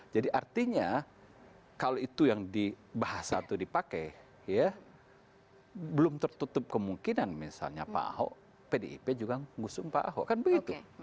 jadi artinya kalau itu yang di bahasa itu dipakai ya belum tertutup kemungkinan misalnya pak ahok pdip juga ngusung pak ahok kan begitu